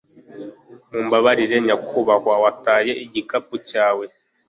Mumbabarire nyakubahwa wataye igikapu cyawe